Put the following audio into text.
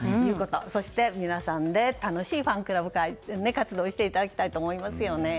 そして、皆さんで楽しいファンクラブ活動をしていただきたいと思いますよね。